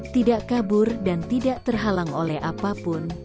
tidak kabur dan tidak terhalang oleh apapun